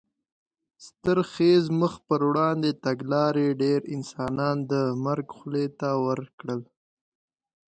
ستر خېز مخ په وړاندې تګلارې ډېر انسانان د مرګ خولې ته ور کړل.